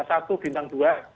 satu bintang dua